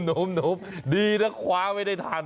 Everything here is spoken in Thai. โน้มดีนะไม่ได้ทัน